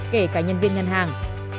kể cả nhân viên ngân hàng